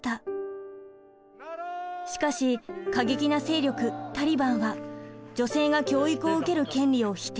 しかし過激な勢力タリバンは女性が教育を受ける権利を否定。